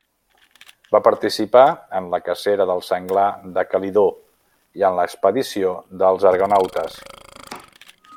Va participar en la cacera del Senglar de Calidó i en l'expedició dels argonautes.